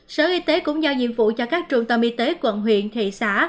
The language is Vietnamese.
sở y tế cũng giao nhiệm vụ cho các trung tâm y tế quận huyện thị xã